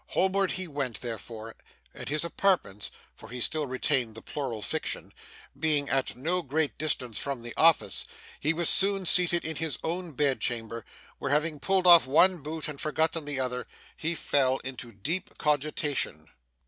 Homeward he went therefore; and his apartments (for he still retained the plural fiction) being at no great distance from the office, he was soon seated in his own bed chamber, where, having pulled off one boot and forgotten the other, he fell into deep cogitation.